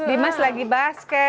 dimas lagi basket